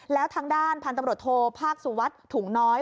แล้วทางด้านพันธุ์ตำรวจโทภาคสุวัสดิ์ถุงน้อย